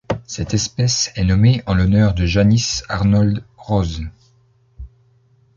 Cette espèce est nommée en l'honneur de Jánis Arnold Roze.